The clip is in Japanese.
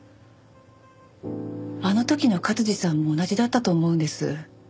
あの時の勝治さんも同じだったと思うんです。